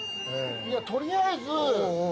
取りあえず。